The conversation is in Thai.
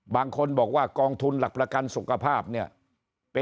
บางคนบอกว่ากองทุนหลักประกันสุขภาพเนี่ย